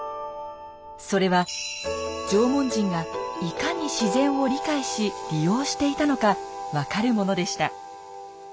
それは縄文人がいかに自然を理解し利用していたのか分かるものでした。